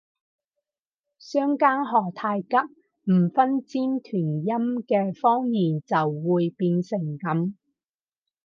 相姦何太急，唔分尖團音嘅方言就會變成噉